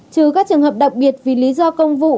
trừ các trường hợp đặc biệt vì lý do công vụ